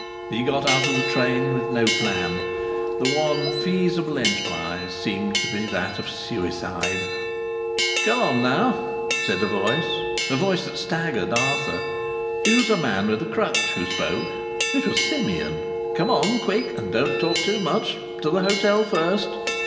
He got out of the train with no plan. The one feasible enterprise seemed to be that of suicide. "Come on, now," said a voice a voice that staggered Arthur. It was a man with a crutch who spoke. It was Simeon. "Come on, quick, and don't talk too much! To the hotel first."